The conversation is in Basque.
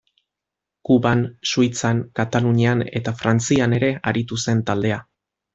Kuban, Suitzan, Katalunian eta Frantzian ere aritu zen taldea.